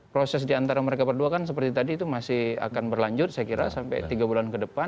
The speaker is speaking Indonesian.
proses diantara mereka berdua kan seperti tadi itu masih akan berlanjut saya kira sampai tiga bulan ke depan